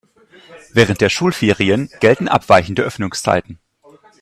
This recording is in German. Während der Schulferien gelten abweichende Öffnungszeiten.